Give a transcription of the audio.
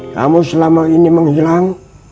kamu selama ini menghilang